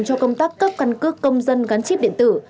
cho công tác cấp căn cước công dân gắn chip điện tử